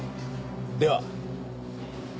では。